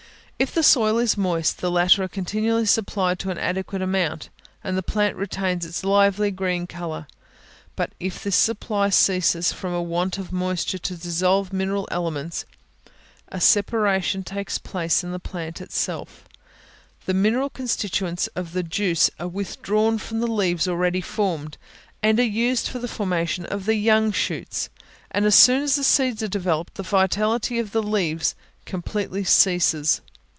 If the soil is moist, the latter are continually supplied to an adequate amount, and the plant retains its lively green colour; but if this supply ceases from a want of moisture to dissolve the mineral elements, a separation takes place in the plant itself. The mineral constituents of the juice are withdrawn from the leaves already formed, and are used for the formation of the young shoots; and as soon as the seeds are developed, the vitality of the leaves completely ceases.